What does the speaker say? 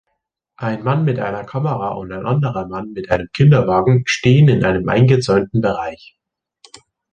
Ein Mann mit einer Kamera und ein anderer Mann mit einem Kinderwagen stehen in einem eingezäunten Bereich